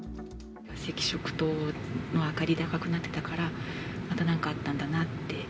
赤色灯の明かりで赤くなってたから、またなんかあったんだなって。